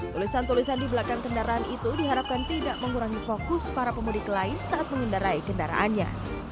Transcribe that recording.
tulisan tulisan di belakang kendaraan itu diharapkan tidak mengurangi fokus para pemudik lain saat mengendarai kendaraannya